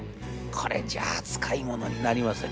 これじゃあ使い物になりません。